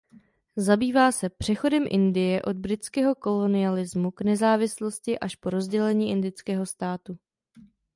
Zabývá se přechodem Indie od britského kolonialismu k nezávislosti až po rozdělení indického státu.